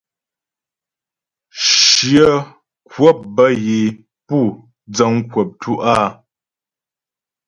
Shyə kwəp bə́ yə é pú dzəŋ kwəp tú' áa.